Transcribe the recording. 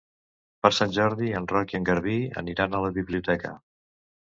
Per Sant Jordi en Roc i en Garbí aniran a la biblioteca.